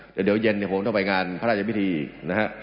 แต่เดี๋ยวเย็นเนี่ยผมต้องไปงานพระราชพิธีนะฮะ